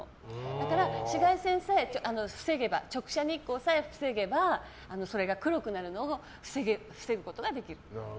だから紫外線さえ防げば直射日光さえ防げばそれが黒くなるのを防ぐことができる。